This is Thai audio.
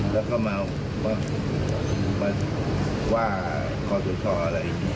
แล้วก็มาว่าขอต่อชอบอะไร